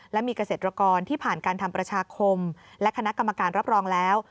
และมีเกษตรกรที่ผ่านการทำประชาคมและคณะกรรมการรับรองแล้ว